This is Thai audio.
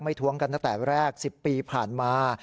ท้วงกันตั้งแต่แรก๑๐ปีที่ผ่านมา